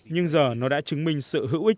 nhưng giờ nó đã chứng minh sự hữu ích